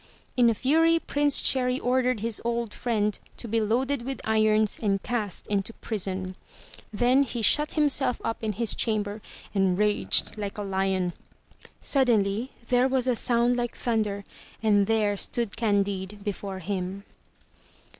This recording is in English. In a fury, Prince Cherry ordered his old friend to be loaded with irons and cast into prison. Then he shut him self up in his chamber and raged like a lion. Suddenly, there was a soimd like thunder, and there stood Candide before him.